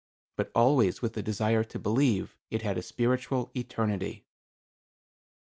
But always with the desire to believe it had a spiritual eternity.